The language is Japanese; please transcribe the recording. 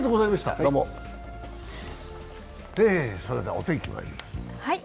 それではお天気まいります。